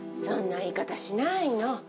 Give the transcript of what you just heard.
そんな言い方しないの。